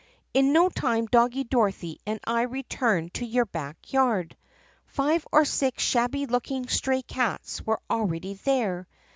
"In no time Doggie Dorothy and I returned to your back yard. Five or six shabby looking stray cats were already there.